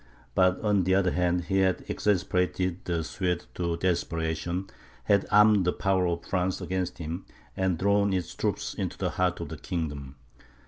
But, on the other hand, he had exasperated the Swedes to desperation, had armed the power of France against him, and drawn its troops into the heart of the kingdom.